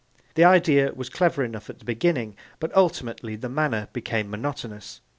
The idea was clever enough at the beginning, but ultimately the manner became monotonous.